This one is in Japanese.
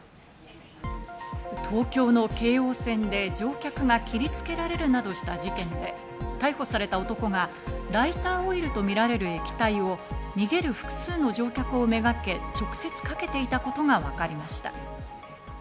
東京の京王線で乗客が切りつけられるなどした事件で、逮捕された男がライターオイルとみられる液体を逃げる複数の乗客をめがけ直接かけていたことがわかりました。